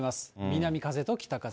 南風と北風。